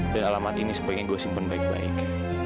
dan alamat ini sebaiknya gue simpan baik baik